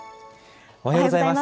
おはようございます。